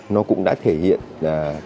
nó cũng đã thể hiện cái sự